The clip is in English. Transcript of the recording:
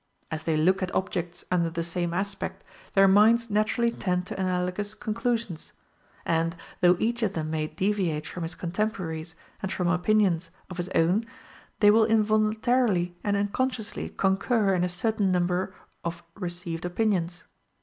As they look at objects under the same aspect, their minds naturally tend to analogous conclusions; and, though each of them may deviate from his contemporaries and from opinions of his own, they will involuntarily and unconsciously concur in a certain number of received opinions.